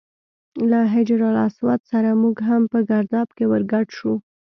له حجر اسود سره موږ هم په ګرداب کې ور ګډ شو.